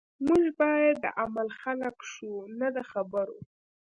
موږ باید د عمل خلک شو نه د خبرو